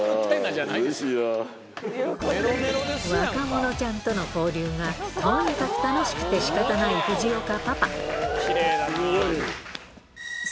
若者ちゃんとの交流がとにかく楽しくて仕方ない藤岡